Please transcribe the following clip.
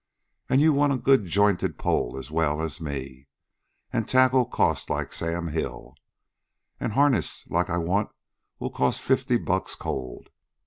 An' you want a good jointed pole as well as me. An' tackle costs like Sam Hill. An' harness like I want will cost fifty bucks cold.